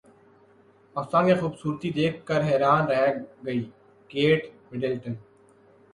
پاکستان کی خوبصورتی دیکھ کر حیران رہ گئی کیٹ مڈلٹن